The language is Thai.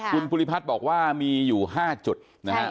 คุณปุริภัทรบอกว่ามีอยู่๕จุดนะครับ